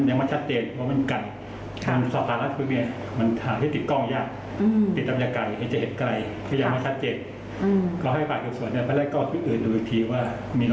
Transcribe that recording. ยังไม่ชัดเจนเพราะกล้องเนี่ยยังไม่เห็นชัดเจนว่าเป็นสีไห้ยังไง